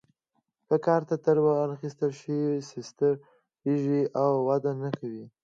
که کار ترې وانخیستل شي سستیږي او وده نه کوي.